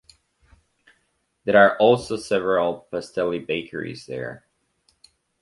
There are also several Pasteli bakeries there.